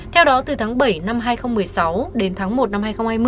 theo đó từ tháng bảy năm hai nghìn một mươi sáu đến tháng một năm hai nghìn hai mươi